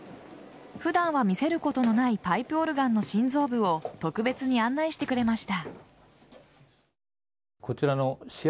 普段は見せることのないパイプオルガンの心臓部を特別に案内してくれました。